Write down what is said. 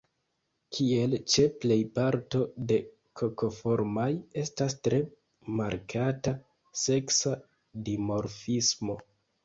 Kiel ĉe plej parto de Kokoformaj, estas tre markata seksa dimorfismo.